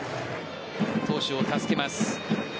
投手を助けます。